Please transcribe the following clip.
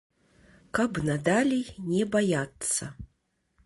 Каб надалей не баяцца.